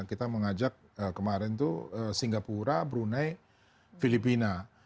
kita mengajak kemarin itu singapura brunei filipina